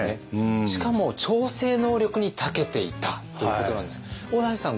しかも調整能力にたけていたということなんですけども小田井さん